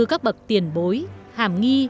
các bậc tiền bối hàm nghi